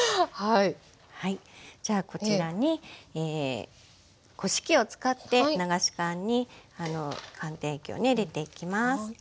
じゃあこちらにこし器を使って流し函に寒天液をね入れていきます。